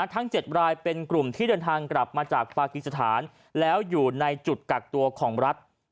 ทั้ง๗รายเป็นกลุ่มที่เดินทางกลับมาจากปากีสถานแล้วอยู่ในจุดกักตัวของรัฐ